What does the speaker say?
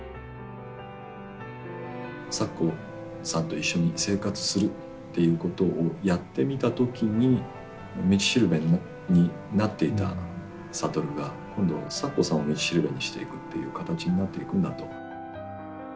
咲子さんと一緒に生活するっていうことをやってみた時に道しるべになっていた羽が今度は咲子さんを道しるべにしていくっていうカタチになっていくんだと。